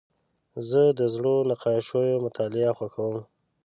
زه د زړو نقاشیو مطالعه خوښوم.